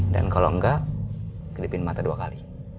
dan kalau enggak kedepan mata dua kali